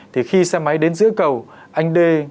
thì khi xe máy đến giữa cầu anh d